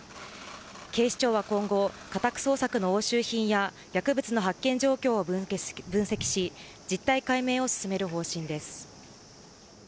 警視庁は今後家宅捜索の押収品や薬物の発見状況を分析し実態解明を進める方針です。